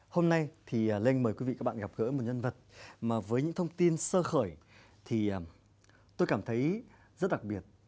hôm nay thì lên mời quý vị các bạn gặp gỡ một nhân vật mà với những thông tin sơ khởi thì tôi cảm thấy rất đặc biệt